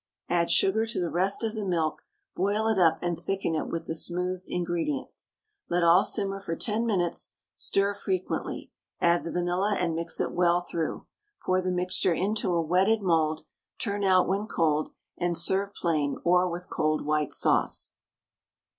Add sugar to the rest of the milk, boil it up and thicken it with the smoothed ingredients. Let all simmer for 10 minutes, stir frequently, add the vanilla and mix it well through. Pour the mixture into a wetted mould; turn out when cold, and serve plain, or with cold white sauce.